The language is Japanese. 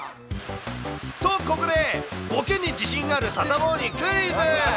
と、ここでぼけに自信があるサタボーにクイズ。